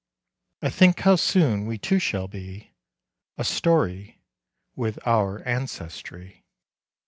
I think how soon we too shall be A story with our ancestry.